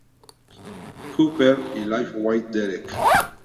Cooper" y "Life with Derek".